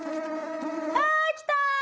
あ来た！